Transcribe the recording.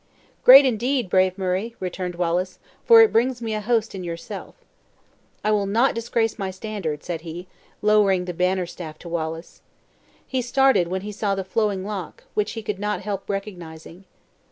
"Great, indeed, brave Murray!" returned Wallace, "for it brings me a host in yourself." "I will not disgrace my standard!" said he, lowering the banner staff to Wallace. He started when he saw the flowing lock, which he could not help recognizing.